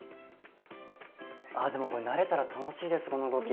ああでもこれ慣れたら楽しいですこの動き。